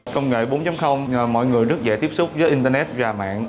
công nghệ bốn nhờ mọi người rất dễ tiếp xúc với internet và mạng